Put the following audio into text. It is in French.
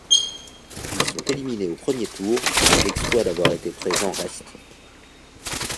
Ils sont éliminés au premier tour, mais l'exploit d'avoir été présent reste.